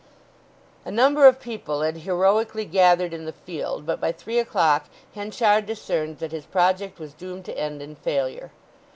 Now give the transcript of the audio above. A number of people had heroically gathered in the field but by three o'clock Henchard discerned that his project was doomed to end in failure.